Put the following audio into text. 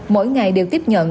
mỗi ngày đều tiếp nhận